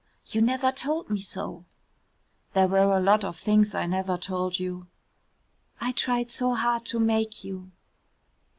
"You never told me so." "There were a lot of things I never told you." "I tried so hard to make you."